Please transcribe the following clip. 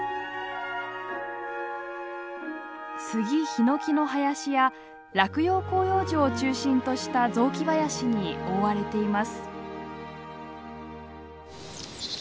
スギ・ヒノキの林や落葉広葉樹を中心とした雑木林に覆われています。